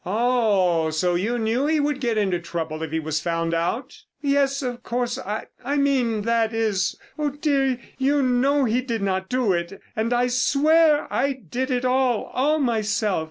"Oh! So you knew he would get into trouble if he was found out?" "Yes, of course—I mean—that is—Oh, dear, you know he did not do it, and I swear I did it all—all myself.